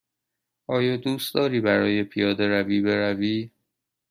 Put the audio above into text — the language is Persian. آیا دوست داری برای پیاده روی بروی؟